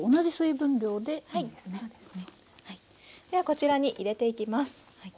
ではこちらに入れていきます。